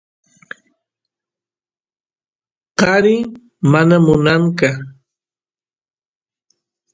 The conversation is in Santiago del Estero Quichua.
kari mana munanqa